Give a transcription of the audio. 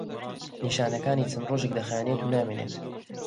نیشانەکانی چەند ڕۆژێک دەخایەنێت و نامێنێت.